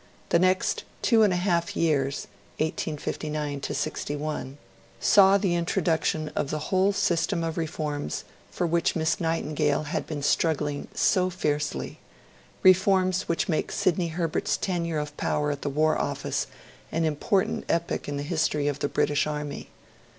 The next two and a half years (1859 61) saw the introduction of the whole system of reforms for which Miss Nightingale had been struggling so fiercely reforms which make Sidney Herbert's tenure of power at the War Office an important epoch in the history of the British Army.